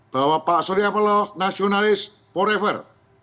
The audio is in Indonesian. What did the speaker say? bahwa pak suryapaloh nasionalis forever